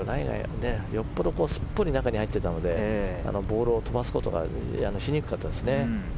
よっぽどすっぽり入っていたのでボールを飛ばすことがしにくかったですね。